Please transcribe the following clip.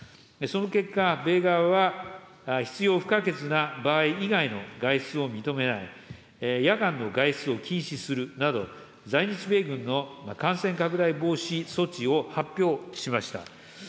その結果、米側は必要不可欠な場合以外の外出を認めない、夜間の外出を禁止するなど、在日米軍の感染拡大防止措置を発表しました。